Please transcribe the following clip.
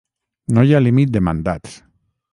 No hi ha límit de mandats.